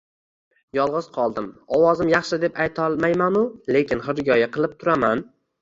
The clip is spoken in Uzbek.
Yolgʻiz qoldim. Ovozim yaxshi deb aytolmayman-u, lekin hirgoyi qilib turaman.